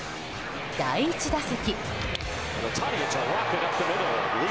第１打席。